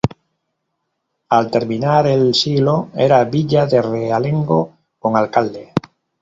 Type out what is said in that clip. Al terminar el siglo era villa de realengo con alcalde.